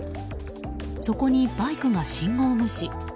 そこにバイクが信号無視。